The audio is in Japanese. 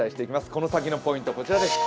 この先のポイントはこちらです。